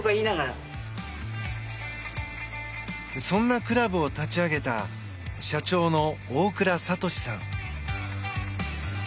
そんなクラブを立ち上げた社長の大倉智さん。